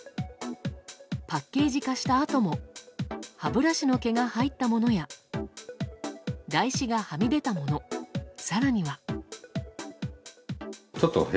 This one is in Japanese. パッケージ化したあとも歯ブラシの毛が入ったものや台紙がはみ出たもの更には。